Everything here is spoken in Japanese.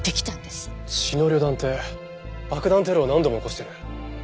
血の旅団って爆弾テロを何度も起こしてる？